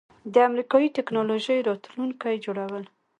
د امریکایی ټیکنالوژۍ راتلونکی جوړول